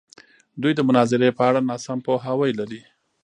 دوی د مناظرې په اړه ناسم پوهاوی لري.